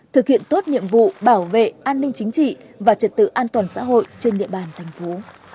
thực hiện tốt nhiệm vụ bảo vệ an ninh chính trị và trật tự an toàn xã hội trên địa bàn thành phố